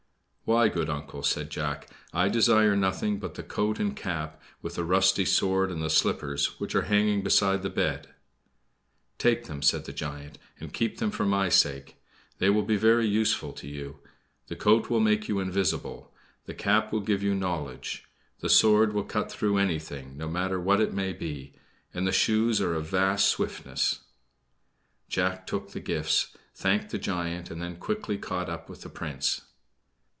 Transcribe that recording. "Why, good Uncle," said Jack, "I desire nothing but the coat and cap, with the rusty sword and the slippers which are hanging beside the bed." "Take them," said the giant, "and keep them for my sake. They will be very useful to you. The coat will make you invisible; the cap will give you knowledge; the sword will cut through anything, no matter what it may be, and the shoes are of vast swiftness." Jack took the gifts, thanked the giant, and then quickly caught up with the Prince.